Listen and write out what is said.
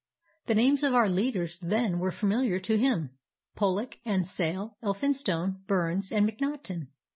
The names of our leaders then were familiar to him, Pollock and Sale, Elphinstone, Burnes, and Mac naughten.